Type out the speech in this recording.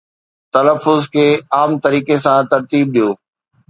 تلفظ کي عام طريقي سان ترتيب ڏيو